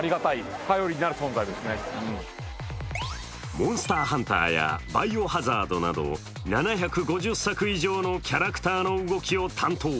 「モンスターハンター」や「バイオハザード」など７５０作以上のキャラクターの動きを担当。